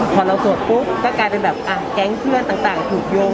พอเราถูกภพก็จะกลายเป็นแบบแก๊งเพื่อนต่างถูกยง